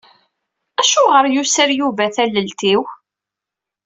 Acuɣer yuser Yuba talelt-iw?